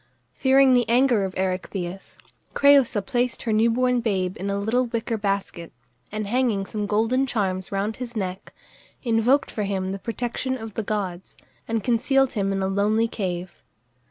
Fearing the anger of Erechtheus, Crëusa placed her new born babe in a little wicker basket, and hanging some golden charms round his neck, invoked for him the protection of the gods, and concealed him in a lonely cave.